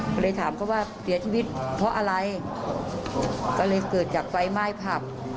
ก็เลยถามเขาว่าเสียชีวิตเพราะอะไรก็เลยเกิดจากไฟไหม้ผับ